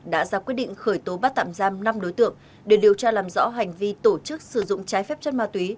đã ra quyết định khởi tố bắt tạm giam năm đối tượng để điều tra làm rõ hành vi tổ chức sử dụng trái phép chất ma túy